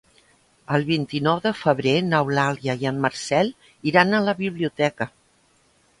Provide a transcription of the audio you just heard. El vint-i-nou de febrer n'Eulàlia i en Marcel iran a la biblioteca.